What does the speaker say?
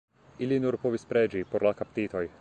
Ili nur povis preĝi por la kaptitoj.